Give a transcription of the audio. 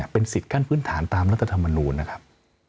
เป็นสิทธิ์ขั้นพื้นฐานตามรัฐธรรมนูลนะครับ